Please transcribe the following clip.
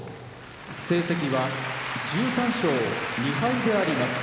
成績は１３勝２敗であります。